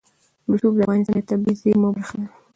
رسوب د افغانستان د طبیعي زیرمو برخه ده.